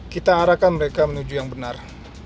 kita arahkan mereka menuju yang benar